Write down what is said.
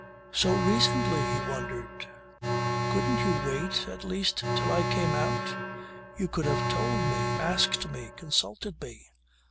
"So recently!" he wondered. "Couldn't you wait at least till I came out? You could have told me; asked me; consulted me!